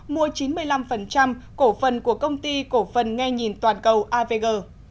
mua chín mươi năm cổ phần của công ty cổ phần nghe nhìn toàn cầu avg